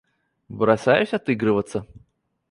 Бросаюсь отыгрываться.